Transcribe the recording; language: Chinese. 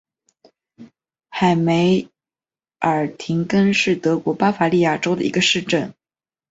海梅尔廷根是德国巴伐利亚州的一个市镇。